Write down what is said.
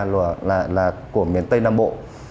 là của miền tây nam bộ